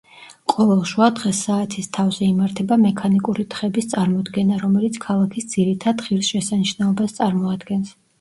ყოველ შუადღეს საათის თავზე იმართება მექანიკური თხების წარმოდგენა, რომელიც ქალაქის ძირითად ღირსშესანიშნაობას წარმოადგენს.